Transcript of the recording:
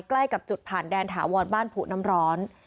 ใกล้กับจุดผ่านแดนถาวรบ้านผูน้ำร้อน